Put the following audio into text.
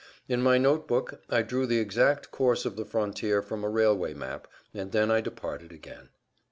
In my note book I drew the exact course of the frontier from a railway map, and then I departed again.